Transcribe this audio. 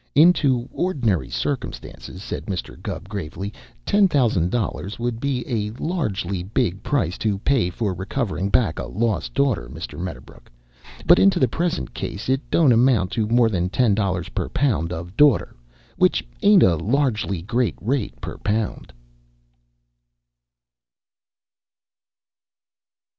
"Into ordinary circumstances," said Mr. Gubb gravely, "ten thousand dollars would be a largely big price to pay for recovering back a lost daughter, Mr. Medderbrook, but into the present case it don't amount to more than ten dollars per pound of daughter, which ain't a largely great rate per pound."